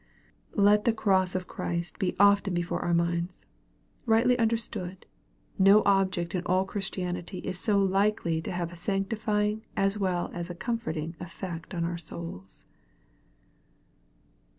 Let the cross of Christ be often be fore our minds. Eightly understood, no object in all Christianity is so likely to have a sanctifying as well as a comforting effect on our souls.